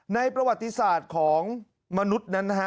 ในประวัติศาสตร์ของมนุษย์นั้น